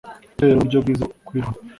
igitero nuburyo bwiza bwo kwirwanaho